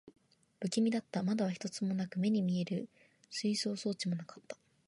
不気味だった。窓は一つもなく、目に見える推進装置もなかった。